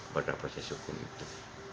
pada proses hukum itu